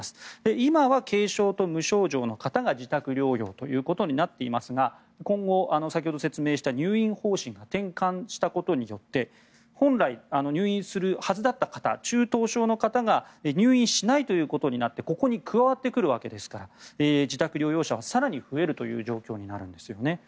今は軽症と無症状の方が自宅療養となっていますが今後、先ほど説明した入院方針が転換したことによって本来、入院するはずだった方中等症の方が入院しないということになってここに加わってくるわけですから自宅療養者は更に増えるという状況になるんですよね。